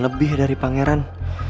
lebih dari pangeran